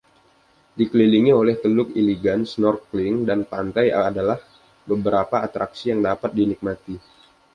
Dikelilingi oleh Teluk Iligan, snorkeling dan pantai adalah beberapa atraksi yang dapat dinikmati.